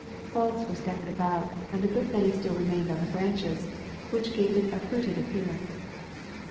Bulbs were scattered about, and a good many still remained on the branches, which gave it a fruited appearance.